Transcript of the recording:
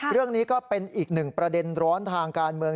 เรื่องนี้ก็เป็นอีกหนึ่งประเด็นร้อนทางการเมือง